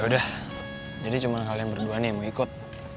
udah jadi cuma kalian berdua nih yang mau ikut